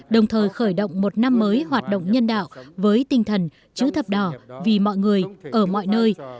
đồng thời khởi động một năm mới hoạt động nhân đạo với tinh thần chữ thập đỏ vì mọi người ở mọi nơi